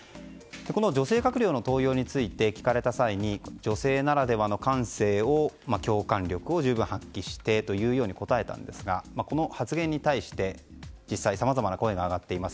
女性閣僚の登用について聞かれた際に女性ならではの感性を、共感力を十分発揮してと答えたんですがこの発言に対して実際さまざまな声が上がっています。